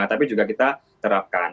tapi juga kita terapkan